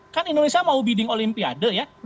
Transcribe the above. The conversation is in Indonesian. kan indonesia mau bidding olimpiade ya